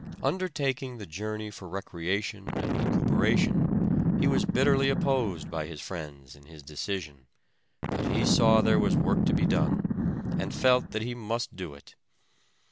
Undertaking the journey for recreation and recuperation he was bitterly opposed by his friends in his decision, but he saw there was work to be done, and felt that he must do it.